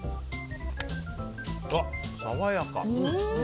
爽やか！